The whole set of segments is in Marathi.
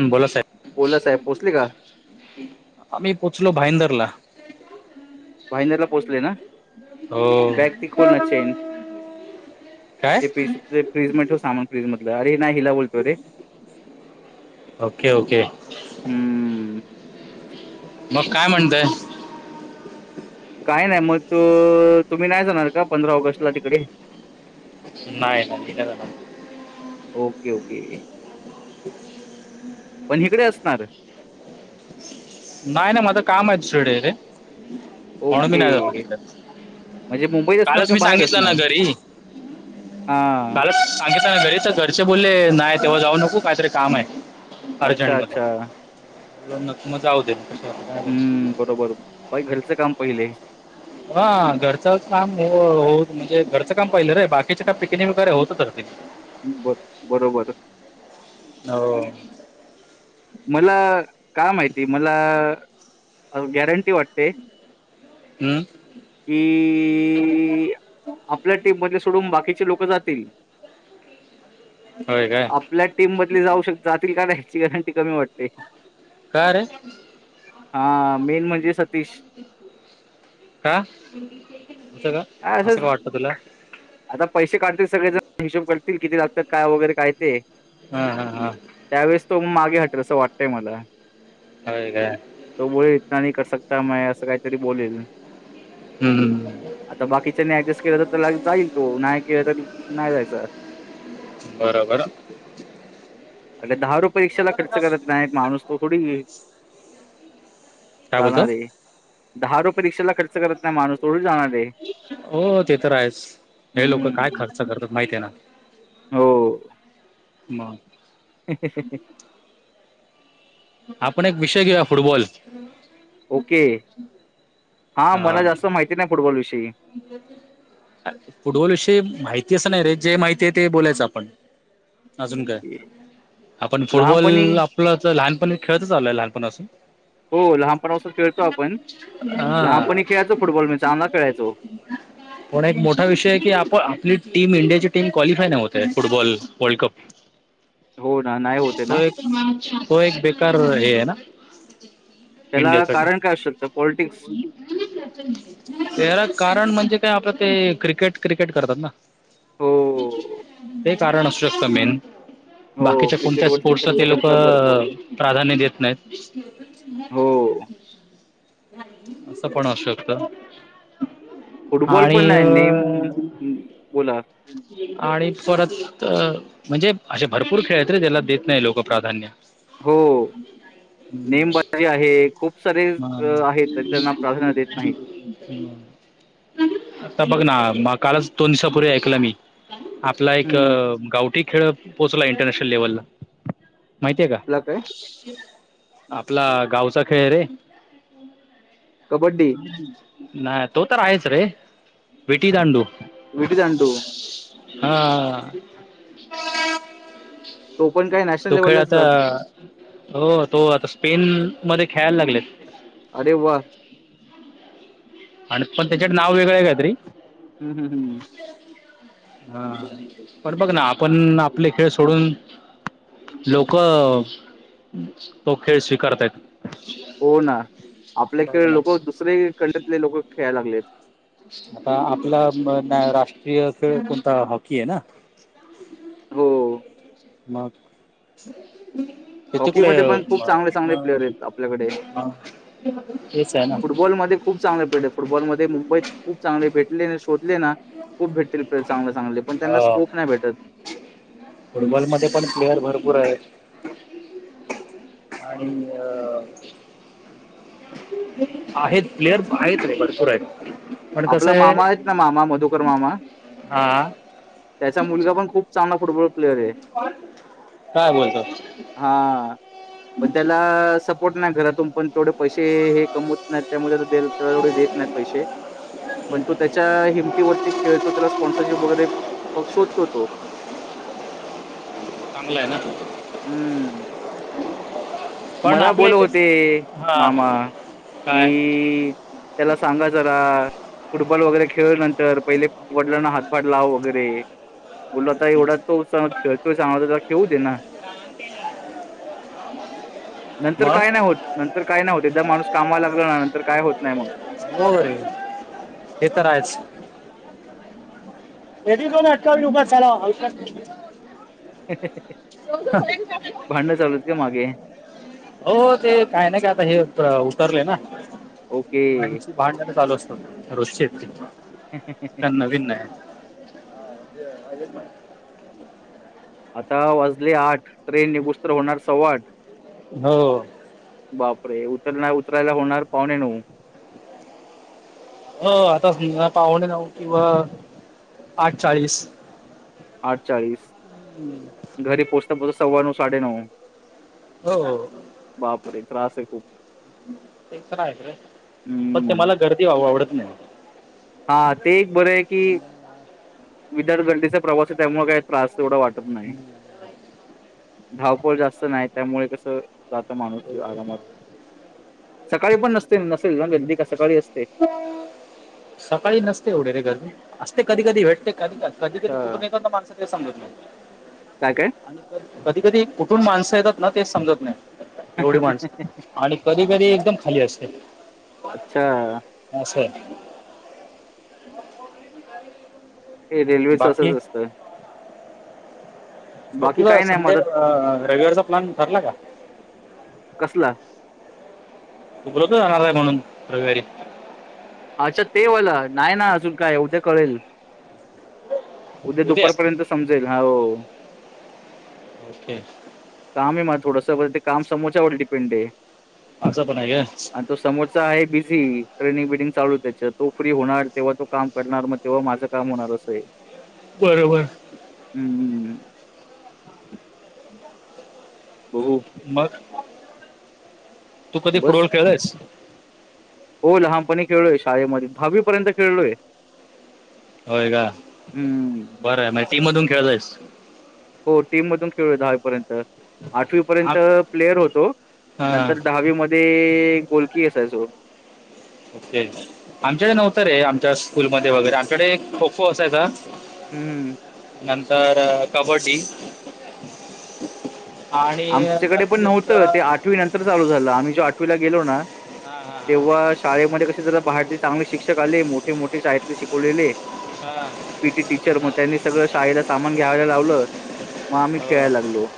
ह बोला बोला साहेब पोचले का आम्ही पोहोचलो भाईंदर ला. भाहिनेरला पोचले ना. हो वक्ती खोलण्याचे काय हेप फ्रीज म ठेव सामान फज मध अरे नाही हिला बोलतो रे ओके ओके हम्म मग काय म्हणतय. काही नाही मग त तुम्ही नाही जाणार का पंधरा ऑगस्ट ला तिकडे नाही नाही का जाणार. ओके ओके ह पण इकडे असणार. नाहीय ना मझ काम आहेत शेड रे म्हणून मी नाही ओके जातो त म्हणजे मुंबईत असणार कालच का मी बाहेर सांगितलं ना असणार घरी हा काला सांगितता ना घरी तर घरचे बोलले नाही तेव्हा जाऊ नको काहीतरी काम आहे. अच्छा अर्जंट मध्ये अच्छा न मग जाऊ देल हम्म बरोबर बाई घरचं काम पहिलेय. हा घरचं काम हो म्हणजे घरचं काम पहिलं रे बाकीचे काय पिकनिक वगैरे होत त बर. बरोबर. हो. मला का माहिती मला गॅरंटी वाटते. हम्म. कि आपल्या टीम मधले सोडून बाकीचे लोक जातील. होय का? आपल्या टीममधली जाऊ शक जातील का नाही याची गरंटी कमी वाटते. का र हा मेन म्हणजे सतीश का अस का काय असं असंच का वाटत तुला? आता पैसे काढतील सगळे ज हिशोब करतील किती लागतात काय वगैरे काय ते हा हा हा त्यावेळेस तो मागे हटेल असं वाटतंय मला हो का? तो बोल इतना नाही कर शकता म असं काहीतरी बोलेल. हम्म. आता बाकीच्यानी ऍडजस्ट केलं तर तर जाईल तो नाही के तर नाही जायच. बरोबर. अग दहा रुपे परीक्षेला खर्च करत नाही माणूस तो थोडी काय बोलतो जाणार आहे. दहा रुपये परीक्षेला खर्च करत नाही माणूस तेथढच जाणार आहे. हो ते तर आहेच हे लोक काय हम्म. खर्च करतात माहित आहे ना. [unintelligible] ह. आपण एक विषय घेऊया फुटबॉल ओके हा मला जास्त माहिती नाही फुटबॉल विषयी फुटबॉल विषयी माहिती असं नाही रे जे माहिती आहे ते बोलायचं आपण अजून काय? आपण लहानपणी फुटबॉल आपलं तर लहानपणी खेळतच आलोय लहानपण असून हो लहानपणापासून खेळतो आपण लहानपणी खेळायचो फुटबॉल म चांगला खेळायचो. ह. पण एक मोठा विषय की आप आपली टीम इंडियाची टीम क्वालिफाय नाही होते फुटबॉल वर्ल्ड कप हो ना, नाही होते ना. त एक त एक बेकार हे आहे ना. त्याला इंडियासाठी. कारण काय असू शकतं पॉलिटिक्स त्याला कारण म्हणजे काय आपलं ते क्रिकेट क्रिकेट करतात ना. हो. ते कारण असू शकतं मेन हो, बाकीच्या कोणत्या क्रिकेटवरती स्पोर्ट्स खर्च ते लोक करतात भरपूर. प्राधान्य देत नाहीत. हो, असं पण असूकत फुटबॉल पण नाही नेम बोला. आणि परत म्हणजे असे भरपूर खेळातरी त्याला देत नाही लोक प्राधान्य हो. नेमबाजी आहे खूप सारे हा आहेत त्यां त्यांना प्राधान्य देत नाहीत. बघ ना कालच दोन दिवसापूर्वी ऐकलं मी आपला एक हं. गावठी खेळ पोहोचला इंटरनॅशनल लेव्हलला माहितीय का? तुला काय? आपला गावचा खेळ रे कबड्डी, नाही. तो तर आहेच रे विेटी दांडू वट तडू हा. तो पण काय नाही. तो खेळ आता हो तो आता स्पेल मध्ये खेळायला लागलेत. अरे वा आणि पण त्याच्या नाव वेगळं काय तरी हम् हम हमम. हा पन बघ ना आपण आपले खेळ सोडून लोक तो खेळ स्वीकारतय. हो ना आपले खेळ ना लोक दुसरेही खंडतले लोक खेळायला लागलेत. आता आपला राष्ट्रीय खेळ कोणता हॉकी आहे ना हो मग इथ कुटे हॉकीमध्ये पण खूप चांगले-चांगले प्लेयर आहेत आपल्याकडे. मग इच आहे ना फुटबॉलमध्ये खूप चांगले प्लेड फुटबॉलमध्येध् मुंबईत खूप चांगले भेटले शोधले ना खूप भेटतील चांगले चांगले पण त्यांना स्कोप नाही भेटत. फुटबॉल मध्ये पण प्लेअर भरपूर आहेत. आणि अ आहेत प्लेअर आहेत रे भरपूर आहेत. पण कसं आपला आहे मामा आहेत ना मामा मध मामा हा त्याचा मुलगा पण खूप चांगला फुटबॉल प्लेयर आहे. काय बोलतो. हा पण त्याला सपोर्ट नाय करत तुम्ही पण थोडे पैसे हे कमवत. नाही त्यामुळे त्याला थोढे देत नाहीत पैसे पण तो त्याच्या हिमतीवरती खेळतो त्याला स्पॉन्सरशिप वगैरे मघ शोधतो तो चांगलं आहे ना हम्म पण मला आपल्या बोल इथे होते हा मामा की काय त्याला सांगा जरा. फुटबॉल वगैरे खेळू नंतर पहिले वडिलांना हातभार लाव वगैरे बोल होता एवढा तो खेळतोय सांगता खेळू दे ना का ते नंतर काय नाही होत नंतर काय नाही होत एकदा माणूस कामाला लागला ना नंतर काय होत नाही मग हो रे ते तर आहेच. हे दोन अठावी उभ ला ह हो का? भांडण चालू आहेत का मागे हो ते काय नाही का आता हे उतरले ना ओके भांडन चालू असतो रोजची आहे ती काय नवीन नाही. अजित आता वाजले आठ ट्रेन निगतोसर होणार सव्वाट हो बापरे उतरला उतरायला होणार पाहुणे नऊ हो आता पावुणे नऊ किंवा आठ चाळीस आठ चाळीस हम्म घरी पोहचता पोहचता स्वा नऊ साडे नऊ. हो बापर त्रास आहे खूप ते खरा आहे खर पक्त ते हम्म. मला गर्दी व आवडत नाही. हा ते एक बरं आहे की विदर्थगडीचा प्रवास आहे त्यामुळे काय त्रास तेवढा वाटत नाही धावपळ जास्त नाही त्यामुळे कस. जात माणूस आरामात सकाळी पण नसते नसेल गर्दी का सकाळी असते. सकाळी नसते एवढे रे गर्दी असते कधी कधी भेटते कधी कधी कधी कधी अच्छा कुठून येतो ना माणस सांगितलं का काे आणि कधी कधी कुठून माणसं येतात ना ते समजत नाही एवढी माणस आणि कधी कधी एकदम खाली असते अच्छा मशे हे रेल्वेच असंच बाकी असत मग तुझा संडे रेग्युलरचा प्लॅन ठरला का कसला उलत जाणार आहे म्हणून रविवारी अच्छा ते वाला नाही ना अजून काय एवद्या कळेल उद्या दुपारपर्यंत समजेल हो ओके काम आहे मझ थडसं ते काम समोच्यावर डिपेंड आहे आस पण आहे ग आणि तो समोरचा आहे बिझी ट्रेनिंग बिनिंग चालू त्याच तो फ्री होणार तेव्हा तो काम करणार मग हो माझं काम होणारच आहे बरोबर हम् हम् बहू मग तू कधी बस फुटबॉल खेळलायस हो लहानपणी खेळलोय शाळेमध्ये भावीपर्यंत खेळलोय होय का हम्म बरं आहे म टीम मधून खेळ जायस हो टीम मधून खेळूया दहावीपर्यंत आठवीपर्यंत प्लेयर होतो हां नंतर दहावी मध्ये गोलकी असायचो े आमच्याकडे नव्हतं रे आमच्या स्कूलमध्येध्ये वगैरे आमच्याकडे खो खो असाय का हम्म नंतर कबड्डी आणि आमच्याकडे जास्तीत पण जास्त नव्हतं ते आठवी नंतर चालू झालं आम्ही जो आठवीला गेलो ना हा हा ह तेव्हा शाळेमध्ये कसे जरा बाहेरले चांगले शिक्षक आले मोठे मोठे शाळेतले शिकवलेले हा पी टी टीचर मग त्यांनी सगळं शाळेला सामान घ्यावायला लावलं मग आम्ही खेळायला हो लागलो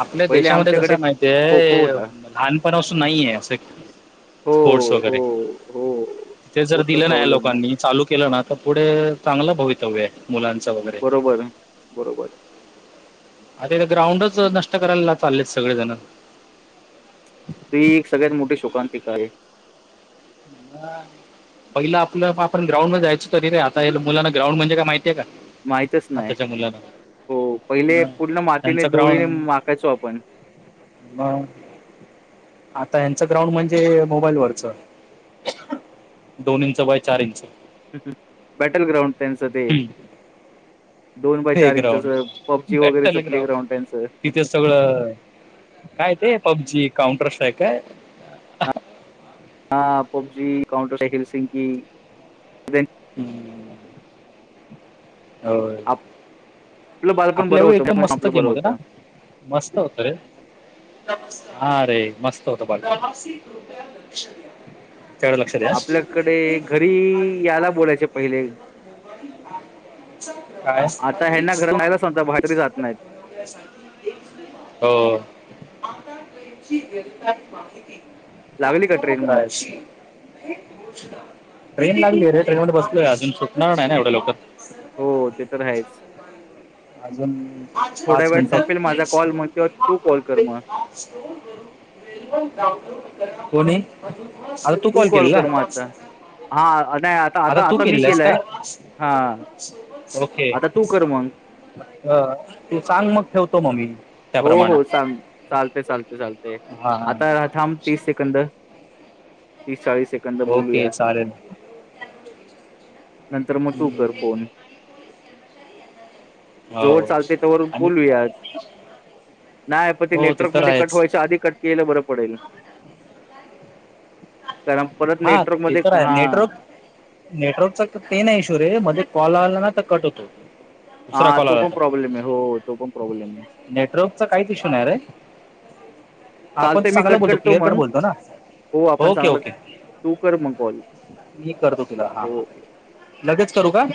आपल्या पहिले देशामध्ये आमच्याकडे कसं खो खो माहितीय होता लहानपणाासून नाहीये असं हो स्पोर्टस हो वगैरे हो ते जर तोच तर दिलं नाही प्रॉब्लेम आहे लोकांनी चालू केलं ना तर पुढे चांगलं भवितव्य आहे मुलांचा बरोबर बरोबर आता ग्राउंडच नष्ट करायला चाललेत सगळेजण ती एक सगळ्यात मोठी शोकांतिक आहे म पहिलं आपलं आपण ग्राउंड मध्ये जायचं तरी रे आता मुलांना ग्राउंड म्हणे काय माहितीय का माहितच नाही आताच्या मुलांना हो पहिले मग पूर्ण मातीने त्यांचं धुळीने ग्राउंड माकायचो आपण आता यांचं ग्राउंड म्हणजे मोबाईल वरच दोन इंच बाय चार इंच ह् बॅटल ग्रउंड त्यांनसते दोन बाय हे चार इंचाच ग्राउंड पबजी वगैरेच प्ले ग्राउंड त्यांचं आप कायं ते पबजी काउंटर स्ट्रायकायं हां पब्जी काउंटर हंल सिंग कीं हम्मं हो आपलं बालपण बरं आपल्यां वेळी होतं एकदंम मस्तं आपलं गेम बरं होते होतं नां मस्तं होतं रे हां रे मस्तं होतं बघं आपल्यांकडे घरी यांलां बोलायचे पहिले आता ह्यांना घरून जायला सांगता बाहेर तरी कायं जात नाहीत. हो लागली का ट्रेन मग? [unintelligible] ट्रेन लागली रे ट्रेन मध्यें बसलोय अजूंन सुटणांर नाहीं नां एवढ्यां लवकर हो ते तरं आहेचं अजूंन पांच वेळात मिनिट संपेल माझा कॉल मग तेव्हा तू कॉल कर मग. कोणी आता तूं काॅल केलेलां आहे हां नाहीं आतां आता आतां मी केलंय हांय ओके अ ते सांग मंग ठेवतो मंग मी हो त्याप्रमाणे हो चाल चालते चालते चालते हां हां आतां ठांम तीस सेकंद तीस चाळीसं सेकंद ओके बोलूया. चालेल नंतर मंग तूं करं हम्म, फोन जवळं हो चालतें तेवरं आणि बोलू यांत नाहीं पणं ते हो नेटवर्क तर मध्यें कंट आहेच व्हायचं आधी कंट केलं बरं पडेलं कारणं परंत नेटवर्क मध्यें हां नेटवर्कचां तरं ते नाहीं इशू रे मध्यें कॉल आलां नां तरं कंट होतो दुसरा हां कॉल तो आला पणं तर प्रॉब्लेम आहे हो तो पणं प्रॉब्लेम आहे नेटवर्कचा काहींचं इश्यू नाहीं रे आपणं चालतं आहे मी चांगलं कट बोलतो करतो क्लिअर कंट मग बोलतो नां हो आपण ओके चांगलं ओके तू कर मग कॉल मी करतों तुलां हां हां हो थँ लगेचं करूं कां